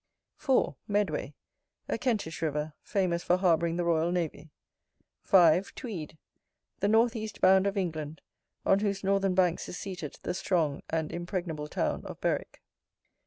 4. MEDWAY, a Kentish river, famous for harbouring the royal navy. 5. TWEED, the north east bound of England; on whose northern banks is seated the strong and impregnable town of Berwick.